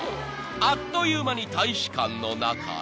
［あっという間に大使館の中へ］